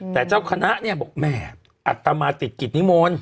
แต่เจ้าคณะเนี่ยบอกแม่อัตมาติดกิจนิมนต์